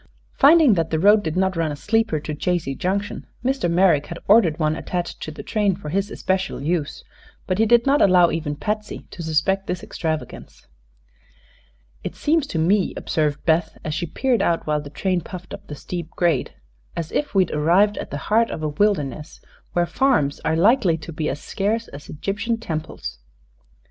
Finding that the road did not run a sleeper to Chazy Junction, Mr. Merrick had ordered one attached to the train for his especial use; but he did not allow even Patsy to suspect this extravagance. "It seems to me," observed Beth, as she peered out while the train puffed up the steep grade, "as if we'd arrived at the heart of a wilderness, where farms are likely to be as scarce as Egyptian temples."